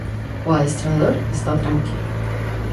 O adestrador está tranquilo.